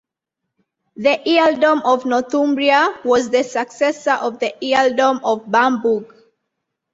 The earldom of Northumbria was the successor of the earldom of Bamburgh.